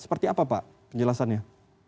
seperti apa pak penjelasannya